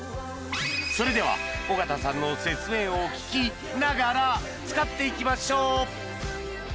それでは尾形さんの説明を聞き「ながら」使っていきましょう！